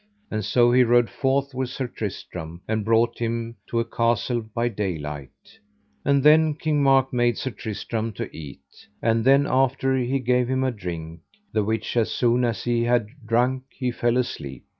And so he rode forth with Sir Tristram, and brought him to a castle by daylight. And then King Mark made Sir Tristram to eat. And then after he gave him a drink, the which as soon as he had drunk he fell asleep.